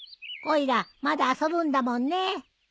おいらまだ遊ぶんだもんねー。